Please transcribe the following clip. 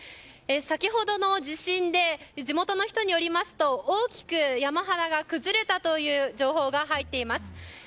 先ほどの地震で地元の人によりますと大きく山肌が崩れたという情報が入っています。